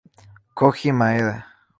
Kōji Maeda